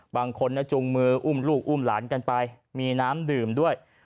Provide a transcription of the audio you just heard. บางคนจุงมืออุ้มลูกอุ้มหลานกันไปมีน้ำดื่มด้วย